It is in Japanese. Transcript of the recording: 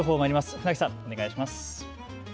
船木さん、お願いします。